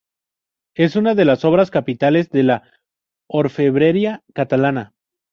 Es una de las obras capitales de la orfebrería catalana.